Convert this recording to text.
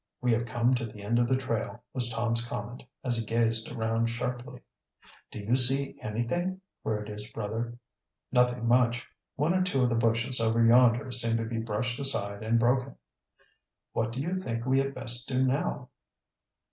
"We have come to the end of the trail," was Tom's comment, as he gazed around sharply. "Do you see anything?" queried his brother. "Nothing much. One or two of the bushes over yonder seem to be brushed aside and broken." "What do you think we had best do now?"